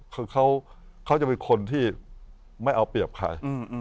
คือเขาจะเป็นคนที่ไม่เอาเปรียบใคร